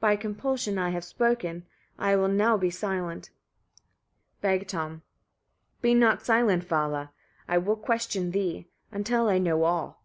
By compulsion I have spoken; I will now be silent." Vegtam. 17. "Be not silent, Vala! I will question thee, until I know all.